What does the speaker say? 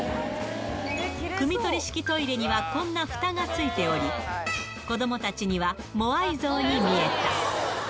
くみ取り式トイレにはこんなふたがついており、子どもたちにはモアイ像に見えた。